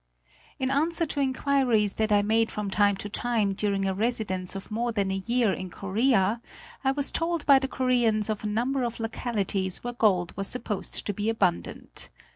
In answer to inquiries that I made from time to time during a residence of more than a year in Korea I was told by the Koreans of a number of localities where gold was supposed to be abundant.